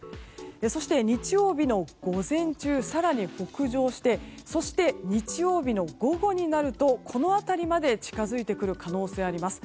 そして日曜日の午前中更に北上してそして、日曜日の午後になるとこの辺りまで近づいてくる可能性があります。